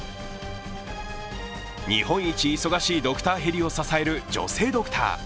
日本一忙しいドクターヘリを支える女性ドクター。